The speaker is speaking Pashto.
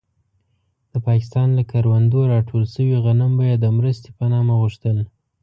د پاکستان له کروندو راټول شوي غنم به يې د مرستې په نامه غوښتل.